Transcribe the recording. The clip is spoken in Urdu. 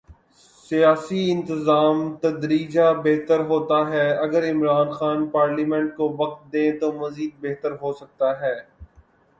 سیاسی نظام تدریجا بہتر ہوتا ہے اگر عمران خان پارلیمنٹ کو وقت دیں تو مزید بہتر ہو سکتا ہے۔